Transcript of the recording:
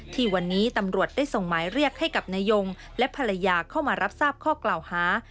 ที่วันนี้ตำรวจได้ส่งหมายเรียกให้กับนายงและภรรยาเข้ามารับทราบข้อกล่าวหา